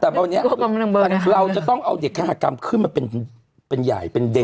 แต่วันนี้เราจะต้องเอาเด็กฆากรรมขึ้นมาเป็นใหญ่เป็นเด็ก